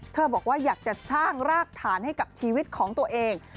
บอกว่าอยากจะสร้างรากฐานให้กับชีวิตของตัวเอง